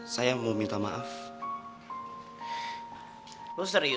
saya minta tolong di antara kerumah laras